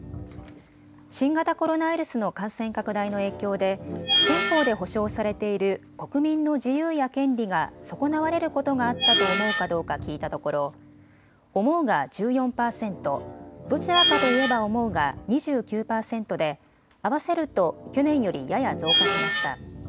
新型コロナウイルスの感染拡大の影響で憲法で保障されている国民の自由や権利が損なわれることがあったと思うかどうか聞いたところ、思うが１４％どちらかといえば思うが２９％で合わせると去年よりやや増加しました。